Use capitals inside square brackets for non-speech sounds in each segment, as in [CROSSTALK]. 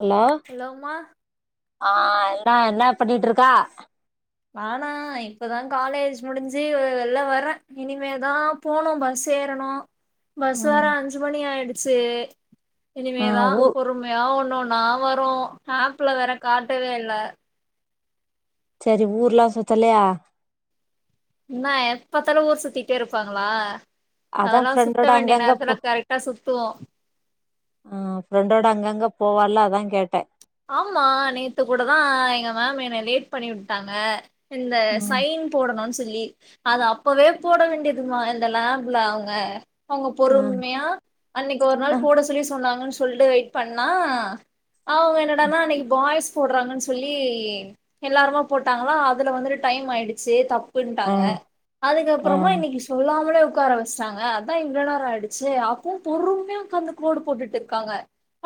hello ஹலோமா ஆ என்னடா என்ன பண்ணிட்டு இருக்கா நானா இப்ப தான் காலேஜ் முடிஞ்சு வெளில வரேன் இனிமே தான் போணும் பஸ் ஏறணும் பஸ்சு வர ம் அஞ்சு மணி ஆயிடுச்சு ஆ இனிமேதான் ஊர் பொ றுமையா ஒண்ணு ஒண்ணா வரும் ஆப்ல வேற காட்டவே இல்ல சேரி ஊர்லா சுத்தலையா என்ன எப் பாத்தாளும் ஊர் சுத்திட்டே இருப்பாங்களா அதா அதெல்லாம் சுத்த ஃப்ரெண்டோட வேண்டிய அங்கங்க போ நேரத்துல கரெக்டா சுத்துவோம் ஆ ஃப்ரெண்டோட அங்கங்க போவால அதான் கேட்டேன் ஆமா நேத்து கூட தான் எங்க மேம் என்னை லேட் பண்ணி விட்டாங்க இந்த ம் சைன் போடணுன் சொல்லி அது அப்பவே போட வேண்டியதுமா இந்த லேப்ல அவுங்க அவுங்க ம் பொறுமையா அன்னைக்கு ஒரு நாள் போட சொல்லி சொன்னாங்கன் சொல்ட்டு வெயிட் பண்ணா அவுங்க என்னடானா அன்னைக்கு பாய்ஸ் போடுறாங்கன்னு சொல்லி எல்லாருமா போட்டாங்களா அதில வந்துட்டு டைம் ஆகிடுச்சு ஆ தப்புட்டாங்க ஆ அதுக்கப்புறமா இன்னைக்கு சொல்லாமலே உக்கார வச்சிட்டாங்க அதான் இவ்ளோ நேரம் ஆயிடுச்சு அப்போ பொறும்மையா உக்காந்து கோடு போட்டுட்டு இருக்காங்க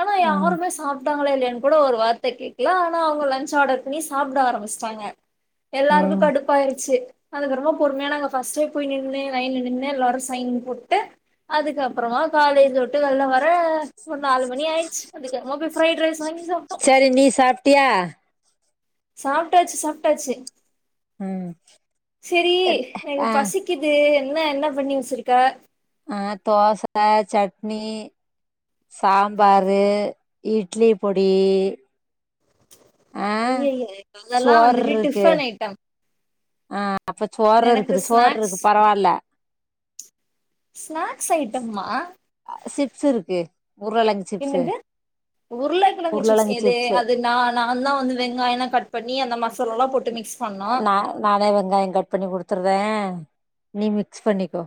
ஆனா ம் யாருமே சாப்ட்டாங்களா இல்லையான்னு கூட ஒரு வார்த்தை கேக்கல ஆனா அவுங்க லஞ்ச் ஆர்டர் பண்ணி சாப்பிட ஆரம்பிச்சிட்டாங்க எல்லாருக்கும் ம் கடு ப்பாயிடுச்சு அதுக்கப்றமா பொறுமையா நாங்க ஃபர்ஸ்ட்டே போய் நின்னு லைன்ல நின்னு எல்லாரும் சைன் போட்டு அதுக்கப்புறமா காலேஜ் ள்ல வர ஒரு நாலு மணி ஆயிடுச்சு அதுக்கப்றமா ஃப்ரைட் ரைஸ் வாங்கி சாப்ட சரி நீ சாப்ட்டியா சாப்டாச்சு சாப்டாச்சு ம் சேரி எத்- எங்க ஆ பசி க்குது என்ன என்ன பண்ணி வச்சிருக்க ஆ தோசத்தா சட்னி சாம்பாரு இட்லி பொடி ஆ ஐயய்ய அதெல்லா சோறு வந்துட்டு இருக்கு டிஃபன் ஐட்டம் ஆ அப்ப சோறு எனக்கு இருக்குது சோறு ஸ்நாக்ஸ் இருக்கு பரவாயில்ல ஸ்நாக்ஸ் ஐட்டம்மா சிப்ஸு இருக்கு உருள கிழங்கு சிப்ஸு உருள கிழங்க சிப்ஸு ஏது அது நான் நா தான் வந்து வெங்காயம்ல்லாம் கட் பண்ணி அந்த மசாலாலாம் போட்டு மிக்ஸ் பண்ணோ நான் நானே வெங்காயம் கட் பண்ணி குடுத்துருதேன் நீ மிக்ஸ் பண்ணிக்கோ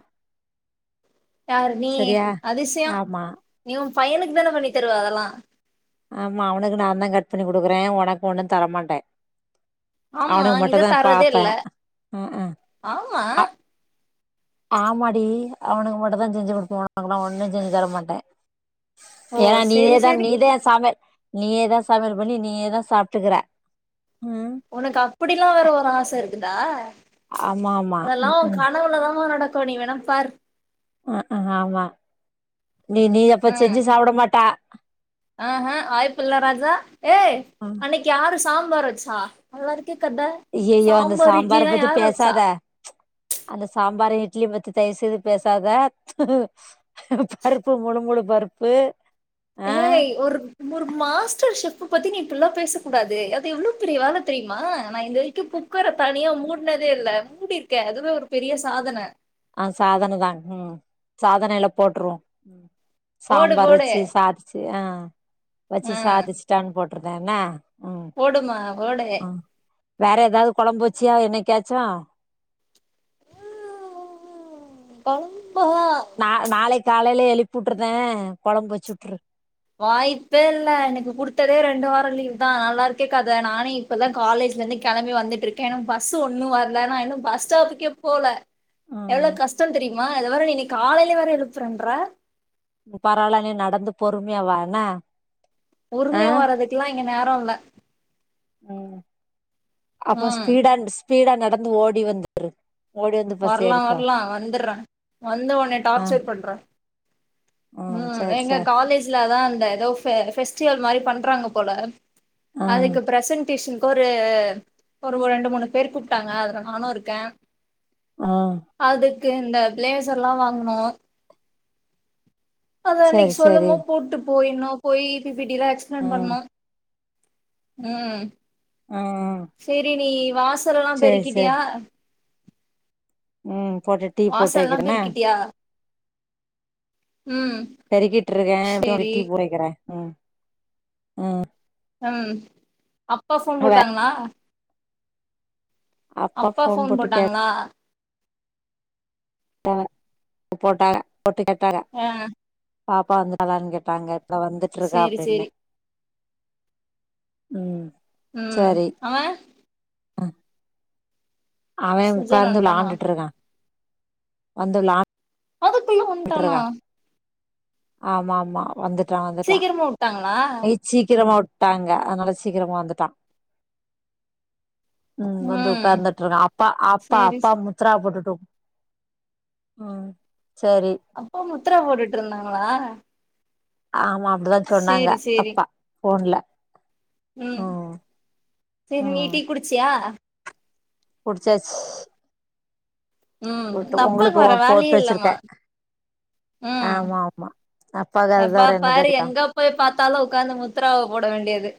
யாரு நீ சரியா அதிசயம் ஆமா நீ உன் பையனுக்கு தான பண்ணி தருவ அதெல்லாம் ஆமா அவனுக்கு நா தான் கட் பண்ணி குடுக்குறேன் உனக்கு ஒன்னும் தரமாட்டேன் ஆமா அவனுக்கு நீதா மட்டும் தான் தரதே இல்ல பாப்பேன் அ ஆ ஆமா ஆமாடி அவனுக்கு மட்டும் தான் செஞ்சு குடுப்பே ஒனக்கு ஒன்னு செஞ்சு தர மாட்டேன் ஓ ஏன் செரி நீயேதா செரி நீதான் சமப் நீயேதா சமையல் பண்ணி நீயேதா சாப்டுக்கற ம் உனக்கு அப்டிலா வேற ஒரு ஆச இருக்குதா ஆமா ஆமா அதெல்லா ம் ஒ ம் கனவுளதாமா நடக்கு நீ வேணா பாரு அ ஆமா நீ நீ அப்ப செஞ்சு சாப்ட மாட்ட ஆ ஹு வாய்பில்ல ராஜா ஏய் அன்னைக் கி யாரு சாம்பார் வச்சா நல்லா இருக்கே கத அய்யயோ அந்த சாம்பார் சாம்பார இட்லிலா பத்தி யாரு வச்சா பேசாத அந்த சாம்பார் இட்லி பத்தி தயவு செய்து பேசாத பருப்பு முழு முழு பருப்பு ஆ ஏய் ஒரு ஒரு மாஸ்டர் ஷெஃப்பு பத்தி நீ இப்டில்லா பேசகூடாது அது எவ்ளோ பெரிய வேல தெ தெரியுமா நா இது வரைக்கு குக்கர தனியா மூட்னதே இல்ல மூடிருக்கே அதுவே ஒரு பெரிய சாதன ஆ சாதனதான ம் சாதனைல போட்ருவோ போடு சாம்பார் போடு வச்சு சாதிச்சு ஆ வச்சு ஆ சாதிச்சுட்டானு போட்டுருந்தேனா போடுங்மா போடுங்க வேற ஏதாவது கொழம்பு வச்சியா என்னைக்காச்சு ம் கொழம்பா நா நாளைக்கு காலையிலே எழுப்பி விட்டுருதே கொழம்பு வச்சு விட்ரு வாய்ப்பே இல்ல எனக்கு குடுத்ததே ரெண்டு வாரோ லீவ் தா நல்லா இருக்கே கத நானே இப்பதா காலேஜ்ல இருந்து கெளம்பி வந்துட்டு இருக்கே பஸு ஒன்னு வரல ஆனா இன்னு பஸ் ஸ்டாப்புக்கே போல ம் எவ்ளோ கஷ்டோ தெரியுமா இதுல வேற நீ காலையில வேற எழுப்புறேன்ற பரவால நீ நடந்து பொறுமையா வா என்ன ஆ பொறுமையா வர்றதுக்கெல்லா இங்க நேரோ இல்ல ம் அப்போ ம் ஸ்பீடானு ஸ்பீடா நடந்து ஓடி வந்துரு வர்லா வர்லா வந்துட்றே வந்து ஒன்னய ஆ டார்ச்சர் பண்ற ம் சேரி எங்க சேரி காலேஜ் ல தா அந்த எதோ ஃபெ ஃபெஸ்டிவல் மாரி பண்றாங்க போல ஆ அதுக்கு ப்ரசன்ட் டியூஷனுக்கு ஒரு ஒரு ரெண்டு மூணு பேர் கூப்டாங்க அதுல நானு இருக்கே ஆ அதுக்கு இந்த ப்ளேசர்ல்லா வாங்னு அத சேரி இன்னைக்கு சேரி சொல்லோனு போட்டு போயிட்ணு போயி பி பிட்டிலா எக்ஸ்பிளைன் ம் பண்ணணு ம் ம் ம் செரி நீ வாசலெல்லா பெருக்கிட்டியா ம் போட்டு டீ போட்டு வாசல்லா வைக்கிறே என்ன பெருக்கிட்டியா ம் பெருக்கிட்ருக்கே அப்டியே சேரி டீ போட்டு வைக்கிறே ம் அ ம் அப்பா ஃபோன் அவ போட்டாங்களா அப்பா ஃபோன் போட்டாங்களா ம் போட்டாங்க போட்டு கேட்டாங்க ஆ பாப்பா வந்து டாளானு கேட்டாங்க இந்தா வந்துட்டு இருக்கா சேரி அப்டின்னே சேரி ம் ம் சரி அவே அவ சுஜன் உக்காந்து வன்ட்டானா விளாண்டுட்டு இருக்கா வந்து விளா அதுக்குள்ள வந்டானா ஆமா ஆமா வந்துட்டா வந்துட்டா சீக்கிரமா வுட்டாங்களா சீக்கிரமா உட்டாங்க அதனால சீக்கிரமா வந்துட்டா ம் வந்து உக்காந்துட்ருக்கா அப்பா அப்பா சேரி அப்பா சே [UNINTELLIGIBLE] அ சரி அப்போ முத்ரா போட்டுட்டு இருந்தாங்களா ஆமா அப்டிதா சொன்னாங்க சேரி அப்பா ஃபோன்ல ம் சரி நீ டீ குடிச்சியா குடிசாச் ம் இந்த அப்பாக்கு உங்களுக்கு வேற போட்டு வேலேயே இல்லமா வச்சிருக்கே ம் ஆமா ஆமா அப்பாக்கு அது எப்பா தவிர என்ன பாரு தெரியு எங்கப் போய் பாத்தாலு உக்காந்து முத்ராவ போட வேண்டியது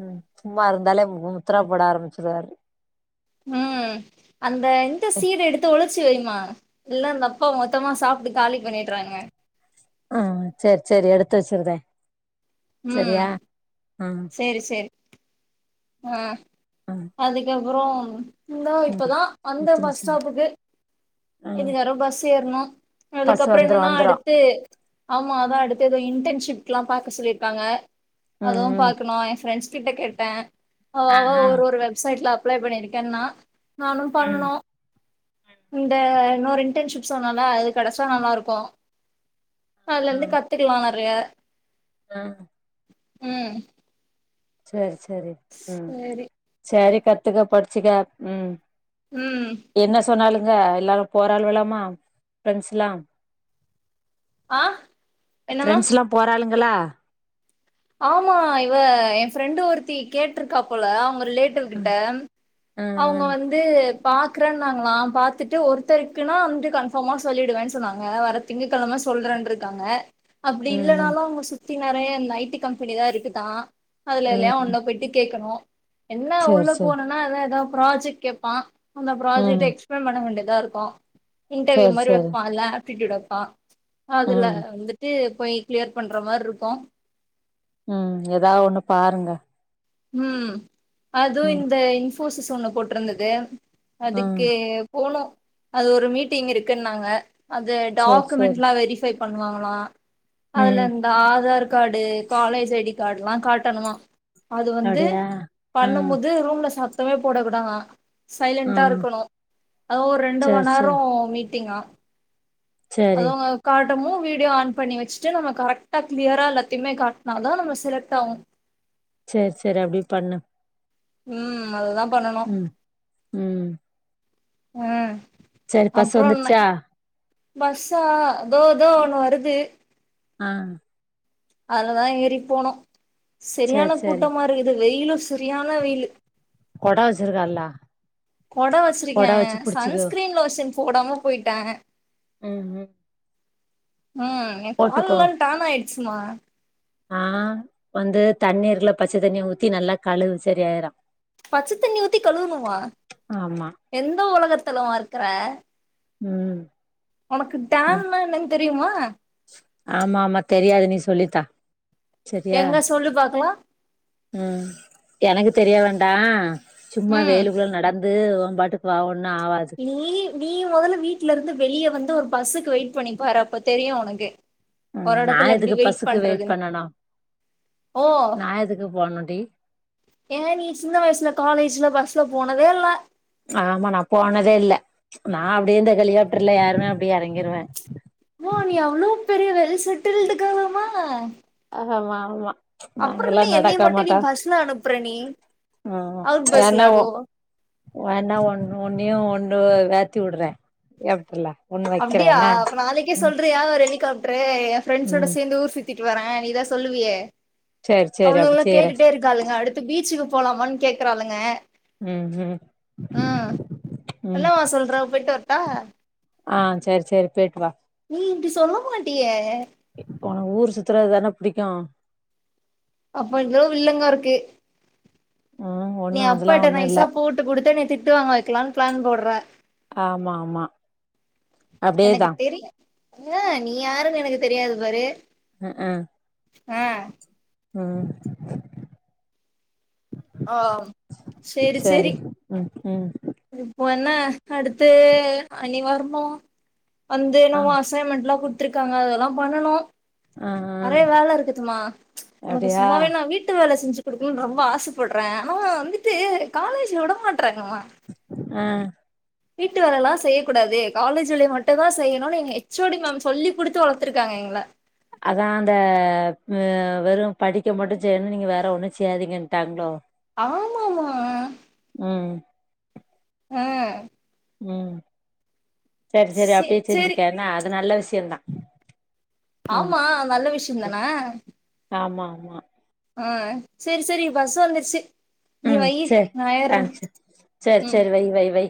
ம் சும்மா இருந்தாலே முத்ரா போட ஆரம்பிச்சிருவாரு ம் அந்த இந்த சீடு எடுத்து ஒளிச்சு வைமா இல்ல இந்த அப்பா மொத்தமா சாப்ட்டு காலி பண்ணிட்றாங்க ஆ சரி சரி எடுத்து வச்சிருதே சரியா ஆ சரி சரி ஆ ம் அதுக்கப்புறோ இந்தா ம் இப்பதா வந்த பத்து பஸ் நிமிஷோ ஸ்டாப்புக்கு ம் எது நேரோ பஸ் ஏற்ணு பஸ் அதுக்கப்புற வந்துரு என்னன்னா வந்துரு அடுத்து ஆமா அதா அடுத்து எதோ இன்டன்ஷிப்க்ல்லா பாக்க சொல்லிருக்காங்க ம் அதுவு ம் பாக்கணு எ ஃப்ரெண்ட்ஸ் கிட்ட கேட்ட அவ ஆ அவ ஆ ஒரு ஒரு வெப்சைட்ல அப்ளை பண்ணியிருக்கன்னா நானு ம் பண்ணனு இந்த இன்னொரு இன்டன்ஷிப் சொன்னல அது கெடைச்சா நல்லா இருக்கு அதுலருந்து கத்துக்கலா நறைய அ ம் சரி சரி ம் சேரி சரி கத்துக்க படிச்சுக்க ம் ம் என்ன சொன்னாலுங்க எல்லாரு போறாள்வலாமா ஃப்ரெண்ட்ஸ்ல்லா ஆ என்னமா ஃப்ரெண்ட்ஸ்ல்லா போறாள்ங்களா ஆமா இவ எ ஃப்ரெண்டு் ஒருத்தி கேட்ருக்கா போல அவங்க ரிலேட் டிவ் கிட்ட ம் அவுங்க ம் வந் து பாக்றன்னாங்களா பாத்துட்டு ஒருத்தருக்குன்னா வந்து கன்ஃபாம்மா சொல்லிடுவே சொன்னாங்க வர திங்கக்கெழம சொல்றன்ருக்காங்க அப்டி ம் ம் இல்லனாலு அவுங்க சுத்தி நறைய இந்த ஐ டி கம்பெனி தா இருக்குதா அதுல எல்லையா ம் ஒண்ல போயி்ட்டு கேக்கணு என்ன சேரி உள்ள சேரி போனுனா அதா எதா ப்ராஜெக்ட் கேப்பா அந்த ம் ப்ராஜெக்ட எக்ஸ்பிளைன் பண்ண வேண்டியதா இருக்கோ இன்டர்வியூ சேரி மாரி சேரி வெப்பான்ல்ல ஆப்ட்டியூட் வப்பா அதுல்ல ம் வந்துட்டு போய் கிளியர் பண்ற மார்ருக்கு ம் எதா ஒண்ணு பாருங்க ம் அதுவு ம் இந்த இன்ஃபோசிஸ் ஒன்னு போட்டிருந்தது ம் அதுக்கு போனு அது ஒரு மீட்டிங் இருக்குன்னாங்க அது சேரி சேரி டாக்குமெண்ட்லா வெரிஃபை பண்ணுவாங்களா அதுல ம் இந்த Aadhaar card college I D card எல்லா காட்டணுமா அது வந்து அப்டியா பண்ணும் ம் போது ரூம்ல சத்தமே போடக்கூடாதா சைலன்டா ம் இருக்கணு அது ஒரு ரெண்டு சேரி மணி சேரி நேரோ மீட்டிங்கா சேரி அதுங்க காட்டமு வீடியோ ஆன் பண்ணி வச்சுட்டு நம்ம கரெக்டா க்ளியரா எல்லாத்தையுமே காட்னா தா நம்ம செலக்ட் ஆவோ செரி செரி அப்படி பண்ணு ம் அதுதா பண்ணனு ம் ம் ம் சரி பஸ்சு அப்றோ நை வந்துருச்சா பஸ்ஸா தோ தோ ஒன்னு வருது ஆ அலதா ஏறி போனோ சேரி சரியான சேரி கூட்டமா இருக்குது வெயிலு சரியான வெயிலு கொட வச்சிருக்கால்ல கொட வச்சிருக்கே சன்ஸ்கிரீன் லோசன் போடாம போயிட்டே ம் ம் ம் என் போட்டுக்கோ கால்லா டான் ஆயிடுச்சுமா ஆ வந்து தண்ணீ இருக்குல பச்ச தண்ணிய ஊத்தி நல்லா கழுவு சரி ஆயிரு பச்சை தண்ணி ஊத்தி கழுவணுமா ஆமா எந்த உலகத்துலமா இருக்குற ம் உனக்கு ம் டன்னா என்னன்னு தெரியுமா ஆமா ஆமா தெரியாது நீ சொல்லித்தா சரியா எங்க சொல்லு பாக்கலா ம் எனக்கு தெரிய வேண்டா சும்மா ம் வெயிலுக்குள்ள நடந் து உன் பாட்டுக்கு வா ஒன்னு ஆவாது நீ நீ மொதல்ல வீட்ல இருந்து வெளிய வந்து ஒரு பஸ்ஸுக்கு வெயிட் பண்ணிப்பாரு அப்ப தெரியு உனக்கு ம் ஒரு நா இடத்துல எப்டி எதுக்கு வெயிட் பஸ்ஸுக்கு பண்றது பண்ணனு ஓ நா எதுக்கு போணுன்டி ஏ நீ சின்ன வயசுல காலேஜ்ல பஸ்ல போனதே இல்ல ஆமா நா போனதே இல்ல நா அப்டியே இந்த ஹெலிகாப்டர்ல ஏறுவே அப்டியே எறங்கிருவே ஓ நீ அவ்வளோ பெரிய வெல் செட்டில்ட்டு கேர்ளாமா ஆஹமா மா அப்புறோ இன்னு என்னய மட்டு நீ பஸ்ல அனுப்புற நீ ம் அவுட் பஸ்ல வேன்னாவோ அதுவு வேண்ணா ஒன்-ஒன்னயு ஒன்ன ஏத்தி விட்றே ஏப்புல்லா அப்டியா அப்ப நாளைக்கே சொல்றியா ஒரு ஹெலிகாப்ட்ரு எ ஃப்ரெண்ட்ஸோட ம் சேந்து ஊர் சுத் த்திட்டு வரே நீதா சொல்லுவியே சேரி சேரி அப்டி அவ்ளுகலா செய்றே கேட்டுட்டே இருக்காளுங்க அடுத்து பீச்சுக்கு போலாமான் கேக்குறாளுங்க ம் ம் ம் ம் என்னமா சொல்ற போய்ட்டு வர்ட்டா ஆ சரி சரி பேட்டு வா நீ இப்டி சொல்ல மாட்டியே இ உனக்கு ஊர் சுத்துறது தான பிடிக்கு அப்ப ஏதோ வில்லங்கோ இருக்கு ம் நீ ஒண்ணு அதெல்லா அப்பாட்ட ஒண்ணு இல்ல நைஸா போட்டு குடுத்து என்னைய திட்டு வாங்க வைக்கலான் பிளான் போடுற ஆமா ஆமா அப்டியேதா அ நீ யாருன்னு எனக்கு தெரியாது பாரு ம்ஹூ ம் ம் ஆ சேரி சேரி ம் ம் இப்போ என்ன அடுத்து [UNINTELLIGIBLE] ஆ அசைன்மெண்ட்லா குடுத்துருக்காங்க அதெல்லா பண்ணனு ஆ ஆ நெறைய வேல இருக்குதுமா ச் உனக்கு அப்டியா சும்மாவே நா வீட்டு வேல செஞ்சு குடுக்குணுன் ரொம்ப ஆசப்பட்றே ஆனா வந்துட்டு காலேஜ்ல விட மாட்றாங்கம்மா ஆ வீட்டு வேலெல்லா செய்யக்கூடாது காலேஜ் வேலய மட்டுதா செய்யணுன் எங்க ஹெச் ஓ டி மேம் சொல்லி் குடுத்து வளத்துருக்காங்க எங்கள அதா அந்த அ வெறு படிக்க மட்டு செய்ணு நீங்க வேற ஒன்னு செய்யாதீங்கன்ட்டாங்ளோ ஆம்மாம்மா ம் அ ம் சேரி சேரி சே அப்டியே சேரி செஞ்சுக்கேன்னா அது நல்ல விஸ்யந்தா ஆம்மா அது நல்ல விஷ்யந்தான ஆமா ஆமா ஆ சேரி சேரி பஸ் வந்துர்ச்சு நீ ம் வெய்யி சரி நா ஆ சரி ஏர்றே சரி வை வை வை